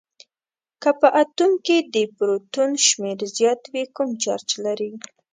که په اتوم کې د پروتون شمیر زیات وي کوم چارج لري؟